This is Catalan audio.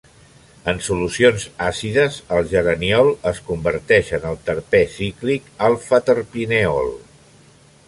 En solucions àcides el geraniol es converteix en el terpè cíclic alfa-terpineol.